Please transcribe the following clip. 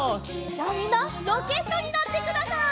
じゃみんなロケットになってください。